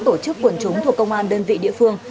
tổ chức quần chúng thuộc công an đơn vị địa phương